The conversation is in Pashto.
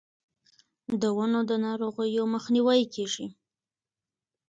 د ونو د ناروغیو مخنیوی کیږي.